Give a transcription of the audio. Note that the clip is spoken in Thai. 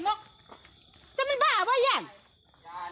ผู้ให้สติภาพเลิกถึงชีวิต